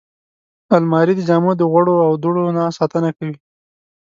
الماري د جامو د غوړو او دوړو نه ساتنه کوي